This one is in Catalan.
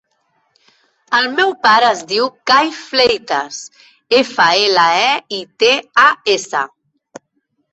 El meu pare es diu Cai Fleitas: efa, ela, e, i, te, a, essa.